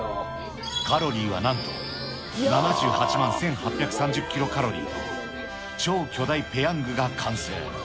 カロリーはなんと、７８万１８３０キロカロリーと、超巨大ペヤングが完成。